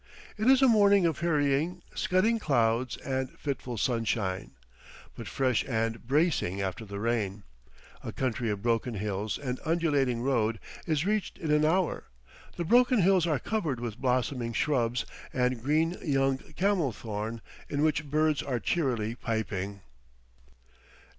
It is a morning of hurrying, scudding clouds and fitful sunshine, but fresh and bracing after the rain; a country of broken hills and undulating road is reached in an hour; the broken hills are covered with blossoming shrubs and green young camel thorn, in which birds are cheerily piping.